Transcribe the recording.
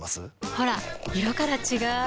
ほら色から違う！